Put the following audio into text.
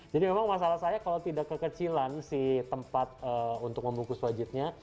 jadi memang masalah saya kalau tidak kekecilan si tempat untuk membungkus wajibnya